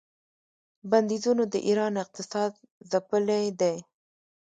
بندیزونو د ایران اقتصاد ځپلی دی.